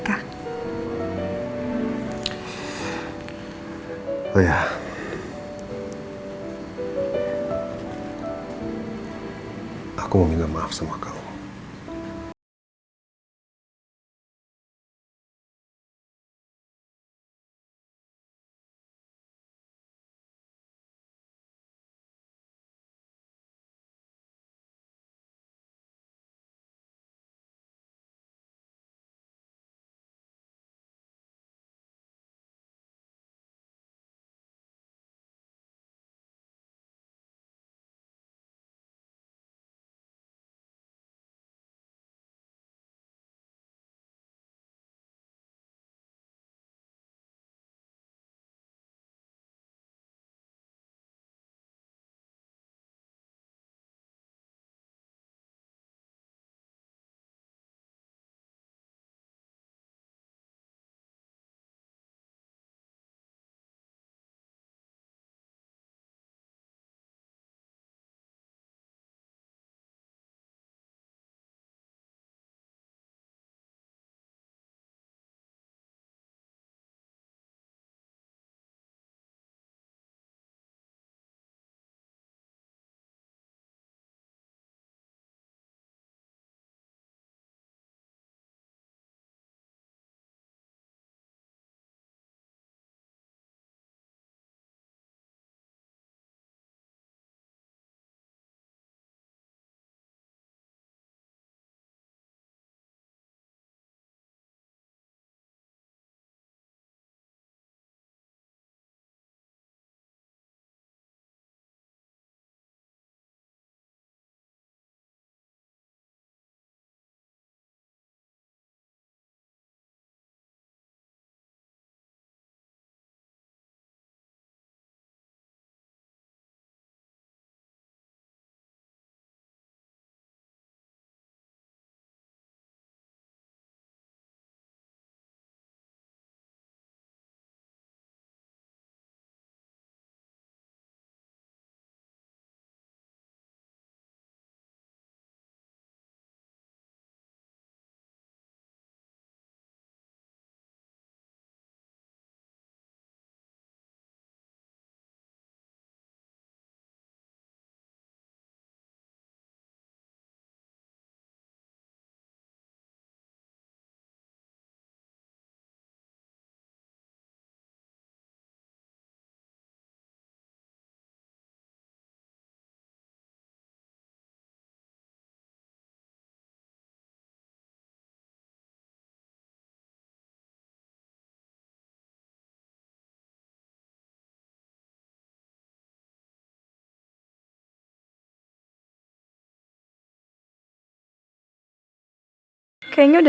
karena itu adalah anaknya roy